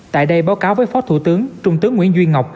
tại đây báo cáo với phó thủ tướng trung tướng nguyễn duy ngọc